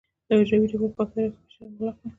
د حجروي دیوال په باکتریاوو کې پېچلی او مغلق وي.